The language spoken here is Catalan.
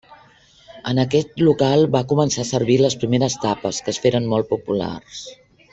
En aquest local va començar a servir les primeres tapes, que es feren molt populars.